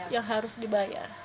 yang harus dibayar